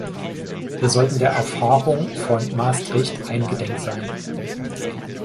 Wir sollten der Erfahrung von Maastricht eingedenk sein.